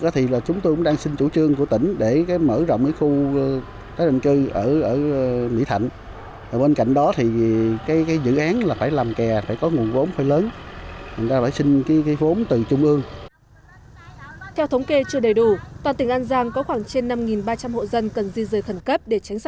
theo thống kê chưa đầy đủ toàn tỉnh an giang có khoảng trên năm ba trăm linh hộ dân cần di rời thần cấp